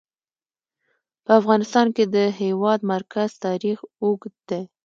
په افغانستان کې د د هېواد مرکز تاریخ اوږد دی.